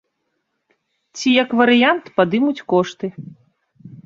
Ці, як варыянт, падымуць кошты.